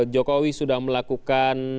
jokowi sudah melakukan